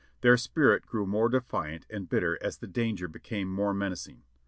Their spirit grew more defiant and bitter as the danger became more men acing.